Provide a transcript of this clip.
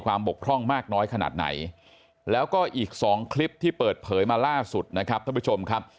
ขนาดไหนแล้วก็อีก๒คลิปที่เปิดเผยมาล่าสุดนะครับท่านผู้ชมครับ